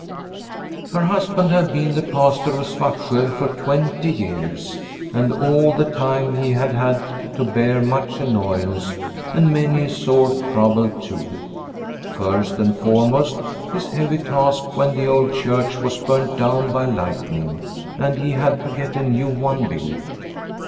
Her husband had been the Pastor of Svartsjo for twenty years, and all the time he had had to bear much annoyance and many a sore trouble too. First and foremost his heavy task when the old church was burnt down by lightning and he had to get a new one built.